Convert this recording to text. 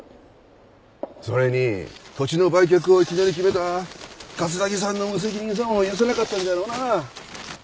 それに土地の売却をいきなり決めた桂木さんの無責任さも許せなかったんじゃろうな。